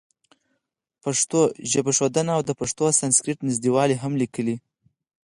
پښتو ژبښودنه او د پښتو او سانسکریټ نزدېوالی هم لیکلي.